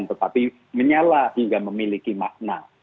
tetapi menyala hingga memiliki makna